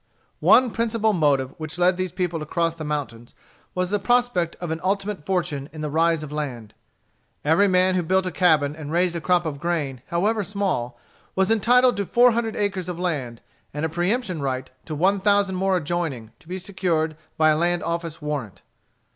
One principal motive which led these people to cross the mountains, was the prospect of an ultimate fortune in the rise of land. Every man who built a cabin and raised a crop of grain, however small, was entitled to four hundred acres of land, and a preemption right to one thousand more adjoining, to be secured by a land office warrant.